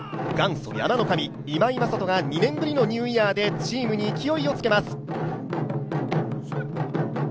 元祖山の神・今井正人が２年ぶりのニューイヤーでチームに勢いをつけます。